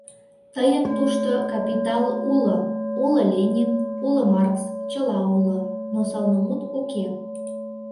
Тыйын тушто «капитал» уло, уло Ленин, уло Маркс — чыла уло, но сылнымут уке.